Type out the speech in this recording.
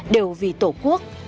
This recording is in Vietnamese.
đều vì tổ quốc